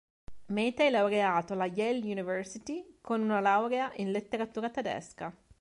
Mehta è laureato alla Yale University con una laurea in letteratura tedesca.